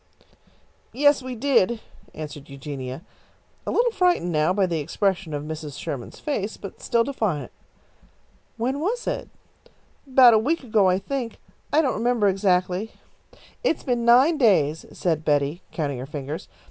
"Yes, we did," answered Eugenia, a little frightened now by the expression of Mrs. Sherman's face, but still defiant. "When was it?" "About a week ago, I think. I don't remember exactly." "It's been nine days," said Betty, counting her fingers.